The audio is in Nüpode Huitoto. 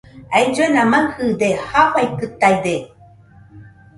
Ailluena maɨde, jafaikɨtaide.